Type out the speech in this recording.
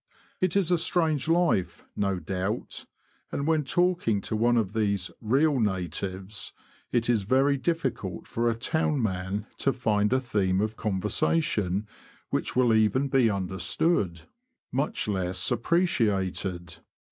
It is a strange life, no doubt, and, when talking to one of these '' real natives," it is very difficult for a town man to find a theme of conver sation which will even be understood, much less appreciated.